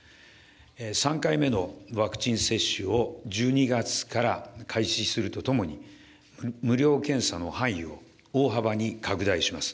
３回目のワクチン接種を１２月から開始するとともに、無料検査の範囲を大幅に拡大します。